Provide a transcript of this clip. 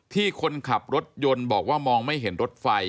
คนขับรถยนต์บอกว่ามองไม่เห็นรถไฟ